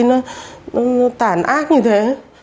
cháu tàn ác như thế